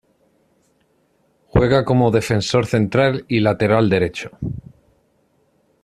Juega como defensor central y lateral derecho.